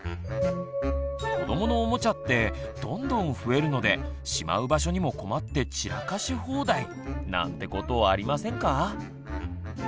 子どものおもちゃってどんどん増えるのでしまう場所にも困って散らかし放題。なんてことありませんか？